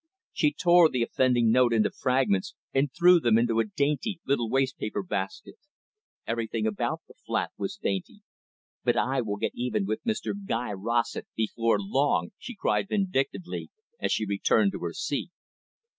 She tore the offending note into fragments, and threw them into a dainty little waste paper basket everything about the flat was dainty. "But I will get even with Mr Guy Rossett before long," she cried vindictively, as she returned to her seat.